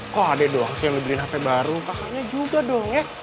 kok ada doang sih yang ngebirin hp baru pokoknya juga dong ya